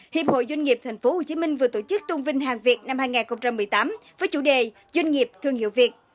hiệp hội doanh nghiệp tp hcm vừa tổ chức tôn vinh hàng việt năm hai nghìn một mươi tám với chủ đề doanh nghiệp thương hiệu việt